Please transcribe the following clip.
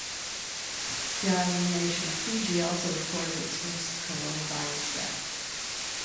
The island nation of Fiji also recorded its first coronavirus death.